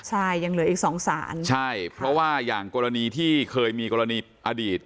ใช่ยังเหลืออีกสองสารใช่เพราะว่าอย่างกรณีที่เคยมีกรณีอดีต